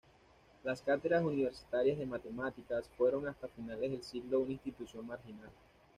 Las cátedras universitarias de matemáticas fueron hasta finales del siglo una institución marginal.